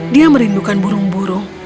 dia merindukan burung burung